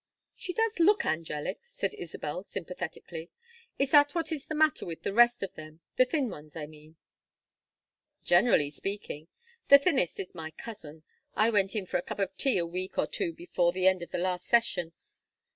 "She does look angelic," said Isabel, sympathetically. "Is that what is the matter with the rest of them? the thin ones, I mean?" "Generally speaking. The thinnest is my cousin. I went in for a cup of tea a week or two before the end of last session.